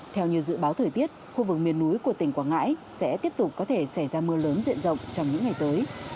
theo như dự báo thời tiết khu vực miền núi của tỉnh quảng ngãi sẽ tiếp tục có thể xảy ra mưa lớn diện rộng trong những ngày tới